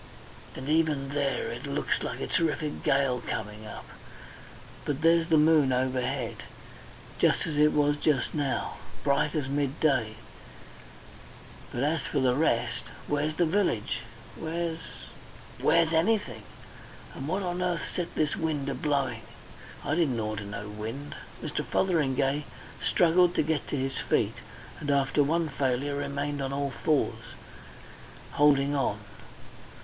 And even there it looks like a terrific gale coming up. But there's the moon overhead. Just as it was just now. Bright as midday. But as for the rest Where's the village? Where's where's anything? And what on earth set this wind a blowing? I didn't order no wind." Mr. Fotheringay struggled to get to his feet in vain, and after one failure, remained on all fours, holding on.